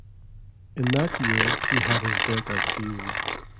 In that year, he had his breakout season.